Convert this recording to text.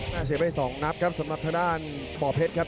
เสียไปสองนัดครับสำหรับทางด้านป่อเพชรครับ